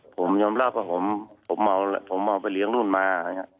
ผมยอมรับว่าผมเอาไปเลี้ยงนู่นมา